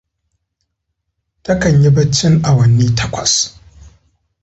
Ta kan yi baccin awanni takwas.